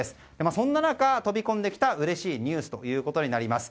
そんな中、飛び込んできたうれしいニュースとなります。